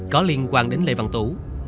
có liên quan đến lê văn tú